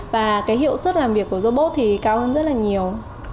và cái hiệu suất làm việc của robot thì cao hơn rất là nhiều